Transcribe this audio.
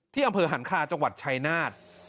อำเภอหันคาจังหวัดชายนาฏ